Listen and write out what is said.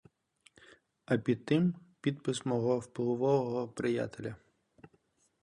А під тим підпис мого впливового приятеля.